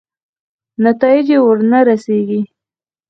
نتایجې ورنه رسېږي.